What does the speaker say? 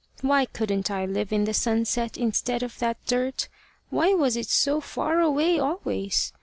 Why couldn't I live in the sunset instead of in that dirt? Why was it so far away always?